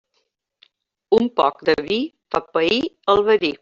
Un poc de vi fa pair el verí.